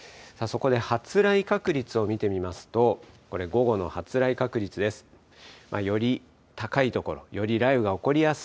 そこで発雷確率を見てみますと、これ、午後の発雷確率です。